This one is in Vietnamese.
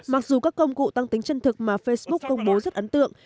mặc dù các công cụ tăng tính chân thực mà facebook công bố rất ấn tượng